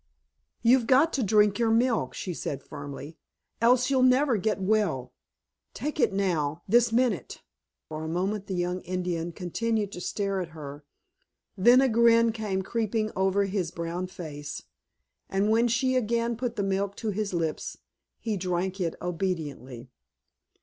"You've got to drink your milk," she said firmly, "else you'll never get well. Take it now, this minute!" For a moment the young Indian continued to stare at her, then a grin came creeping over his brown face, and when she again put the milk to his lips he drank it obediently.